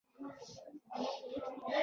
هغه وویل چې باید په موټر کې یې ورسوي